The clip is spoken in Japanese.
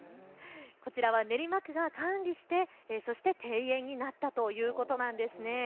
こちらは練馬区が管理してそして庭園になったということなんです。